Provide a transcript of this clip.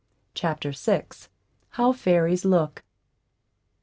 CHAPTER VI. HOW FAIRIES LOOK.